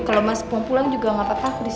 kalau mas pulang pulang juga gak apa apa aku disini